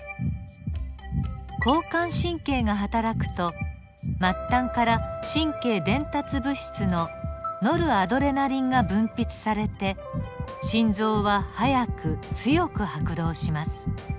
交感神経がはたらくと末端から神経伝達物質のノルアドレナリンが分泌されて心臓は速く強く拍動します。